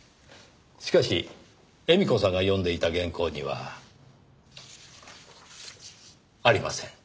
しかし絵美子さんが読んでいた原稿にはありません。